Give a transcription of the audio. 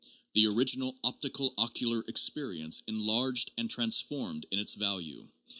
the original optical ocular experience enlarged and transformed in its value.